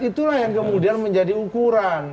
itulah yang kemudian menjadi ukuran